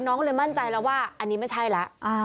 น้องก็เลยมั่นใจแล้วว่าอันนี้ไม่ใช่แล้ว